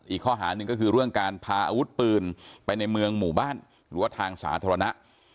อีกข้อหาหนึ่งก็คือเรื่องการพาอาวุธปืนไปในเมืองหมู่บ้านหรือว่าทางสาธารณะ